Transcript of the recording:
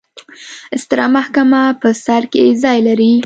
ستره محکمه په سر کې ځای لري.